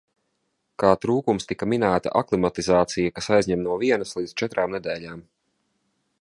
Kā trūkums tika minēta aklimatizācija, kas aizņem no vienas līdz četrām nedēļām.